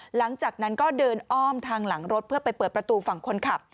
หลังจากนั้นก็เดินอ้อมทางหลังรถเพื่อไปเปิดประตูฝั่งคนขับ